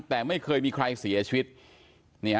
แต่ไม่เคยมีใครเสียชีวิต